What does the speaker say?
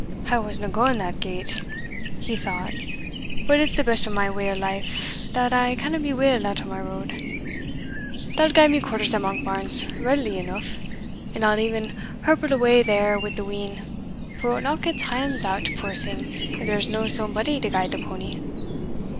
"I wasna gaun that gate," he thought, "but it's the best o' my way o' life that I canna be weel out o' my road. They'll gie me quarters at Monkbarns readily eneugh, and I'll e'en hirple awa there wi' the wean, for it will knock its hams out, puir thing, if there's no somebody to guide the pony.